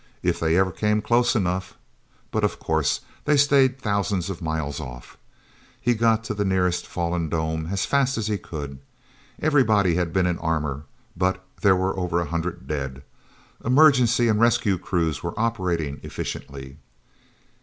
If they ever came close enough... But of course they'd stay thousands of miles off. He got to the nearest fallen dome as fast as he could. Everybody had been in armor, but there were over a hundred dead. Emergency and rescue crews were operating efficiently.